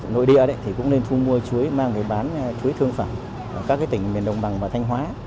nội địa thì cũng nên thu mua chuối mang về bán chuối thương phẩm ở các tỉnh miền đồng bằng và thanh hóa